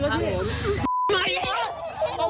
นั่งในรถก่อน